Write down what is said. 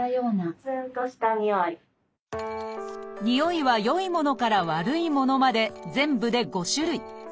においは良いものから悪いものまで全部で５種類。